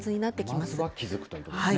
まずは気付くということですね。